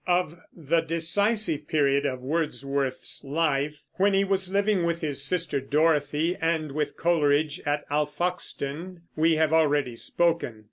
Of the decisive period of Wordsworth's life, when he was living with his sister Dorothy and with Coleridge at Alfoxden, we have already spoken.